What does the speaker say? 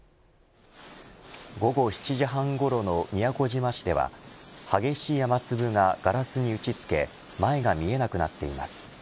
午後７時半ごろの宮古島市では激しい雨粒がガラスに打ち付け前が見えなくなっています。